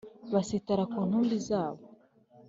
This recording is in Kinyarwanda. Basitara ku ntumbi zabo